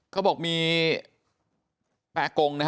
เขาบอกมีแป๊กกง